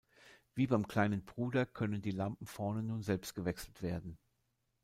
Wie beim kleinen Bruder können die Lampen vorne nun selbst gewechselt werden.